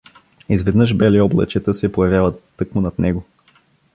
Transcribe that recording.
Изведнъж бели облачета се появяват тъкмо над него.